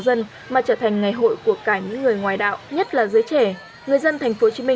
dân mà trở thành ngày hội của cả những người ngoài đạo nhất là giới trẻ người dân tp hcm